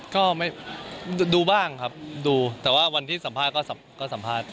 ก็ไม่ดูบ้างครับดูแต่ว่าวันที่สัมภาษณ์ก็สัมภาษณ์